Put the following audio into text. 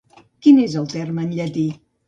Quin és el terme en llatí?